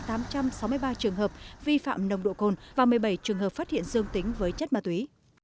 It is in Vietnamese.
tám trăm sáu mươi ba trường hợp vi phạm nồng độ cồn và một mươi bảy trường hợp phát hiện dương tính với chất ma túy